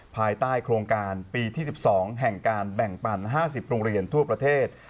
ภายใต้โครงการปีที่๑๒แห่งการแบ่งปั่น๕๐โรงเรียนทั่วประเทศ